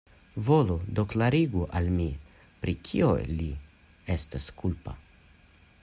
Volu do klarigi al mi, pri kio li estas kulpa?